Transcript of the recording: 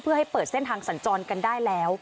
เพื่อให้เปิดเส้นทางสัญจรกันได้แล้ว